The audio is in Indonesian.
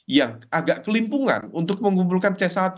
yang agak kelimpungan untuk mengumpulkan c satu